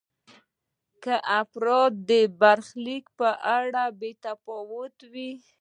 که د افرادو د برخلیک په اړه بې تفاوت وي.